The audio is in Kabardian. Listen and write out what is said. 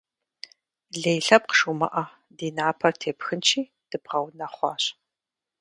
Лей лъэпкъ жумыӏэ, ди напэр тепхынщи, дыбгъэунэхъуащ.